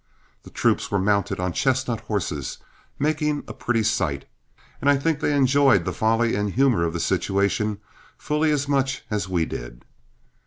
The troop were mounted on chestnut horses, making a pretty sight, and I think they enjoyed the folly and humor of the situation fully as much as we did.